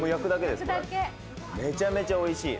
めちゃめちゃおいしい。